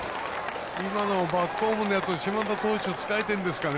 今の、バックホームのやつ島田投手は疲れてるんですかね。